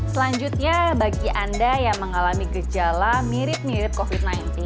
selanjutnya bagi anda yang mengalami gejala mirip mirip covid sembilan belas